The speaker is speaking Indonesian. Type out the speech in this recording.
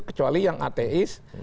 kecuali yang ateis